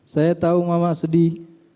saya tahu mama sedih